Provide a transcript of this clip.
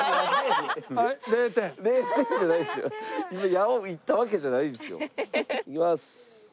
矢を射ったわけじゃないんですよ。いきます。